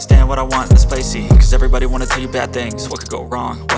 sampai jumpa di video selanjutnya